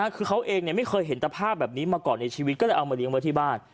คือเขาเองไม่เคยเห็นตะภาพแบบนี้มาก่อนในชีวิตก็เลยเอามาเลี้ยงไว้ที่บ้าน